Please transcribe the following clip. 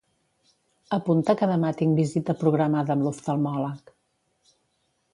Apunta que demà tinc visita programada amb l'oftalmòleg.